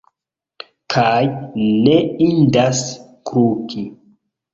Kaj ne indas kluki.